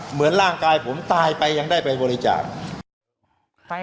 เหมือนร่างกายผมตายไปยังได้ไปบริจาค